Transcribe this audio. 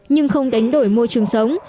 nhưng không đánh đổi môi trường sống